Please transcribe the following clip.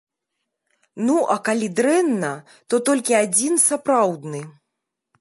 Ну, а калі дрэнна, то толькі адзін, сапраўдны.